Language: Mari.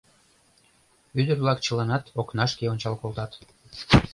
Ӱдыр-влак чыланат окнашке ончал колтат.